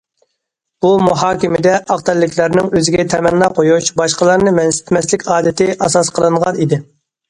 بۇ مۇھاكىمىدە ئاق تەنلىكلەرنىڭ ئۆزىگە تەمەننا قويۇش، باشقىلارنى مەنسىتمەسلىك ئادىتى ئاساس قىلىنغان ئىدى.